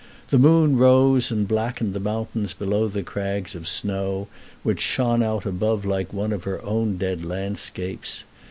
The moon rose and blackened the mountains below the crags of snow, which shone out above like one of her own dead landscapes.